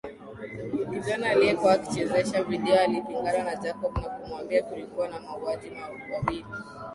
Kijana aliyekuwa akichezesha video alipingana na Jacob na kumwambia kulikuwa na wauaji wawili